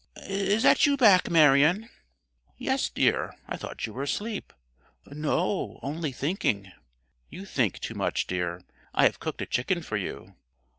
"Is that you back, Marion?" "Yes, dear; I thought you were asleep." "No, only thinking." "You think too much, dear. I have cooked a chicken for you."